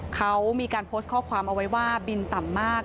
เขามีการโพสต์ข้อความเอาไว้ว่าบินต่ำมาก